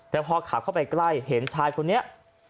แต่พอขับเข้าไปใกล้เห็นชายคนนี้